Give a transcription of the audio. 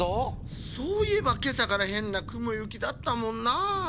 そういえばけさからへんなくもゆきだったもんなあ。